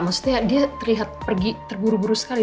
maksudnya dia terlihat pergi terburu buru sekali